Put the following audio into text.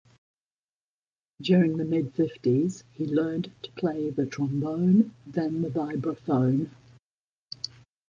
During the mid-fifties he learned to play the trombone, then the vibraphone.